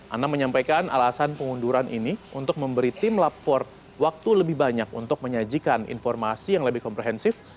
anam menyampaikan alasan pengunduran ini untuk memberi tim lab empat waktu lebih banyak untuk menyajikan informasi yang lebih komprehensif